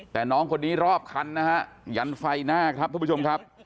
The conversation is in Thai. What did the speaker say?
แต่น้องคนนี้รอบคันนะฮะยันไฟหน้าครับทุกผู้ชมครับ